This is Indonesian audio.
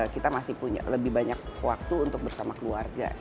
kita masih punya lebih banyak waktu untuk bersama keluarga